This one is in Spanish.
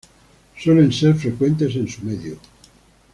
Suelen ser frecuentes en su medio.